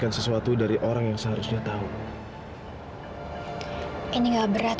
kamu negara yang nampaknyawin prajurit